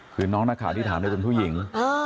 คือน้องนักข่าวที่ถามเป็นผู้หญิง